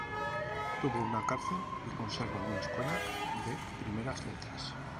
Tuvo una cárcel, y conserva una escuela de primeras letras.